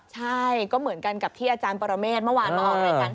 ใช่ก็เหมือนกันกับที่อาจารย์ปรเมฆเมื่อวานมาออกรายการ